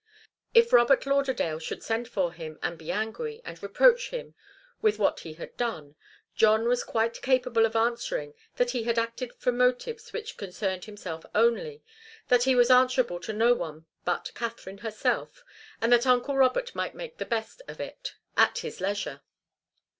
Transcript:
If Robert Lauderdale should send for him, and be angry, and reproach him with what he had done, John was quite capable of answering that he had acted from motives which concerned himself only, that he was answerable to no one but Katharine herself and that uncle Robert might make the best of it at his leisure.